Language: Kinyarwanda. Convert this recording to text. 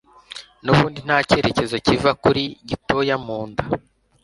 nubundi nta cyerekezo kiva kuri gitoya munda